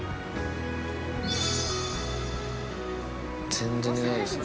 全然寝ないですね。